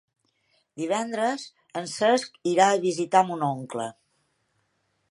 Divendres en Cesc irà a visitar mon oncle.